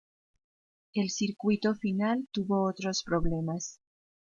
El circuito final tuvo otros problemas.